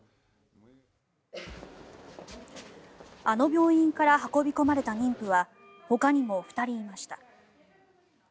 あの病院から運び込まれた妊婦はほかにも２人いました。